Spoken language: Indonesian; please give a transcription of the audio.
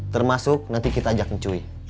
termasuk nanti kita ajak mencui